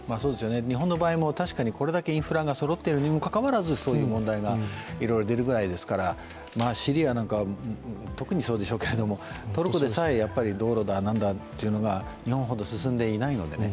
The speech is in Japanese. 日本の場合も、これだけインフラがそろっているにもかかわらずそういう問題がいろいろ出るぐらいですからシリアなんかは特にそうでしょうけれども、トルコでさえ道路だ何だというのが日本ほど進んでいないのでね。